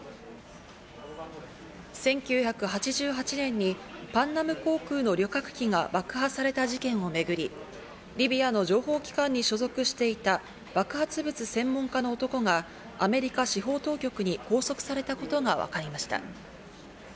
１９８８年にパンナム航空の旅客機が爆破された事件をめぐり、リビアの情報機関に所属していた爆発物専門家の男が、アメリカ司法当局に拘束されたことがわかりました。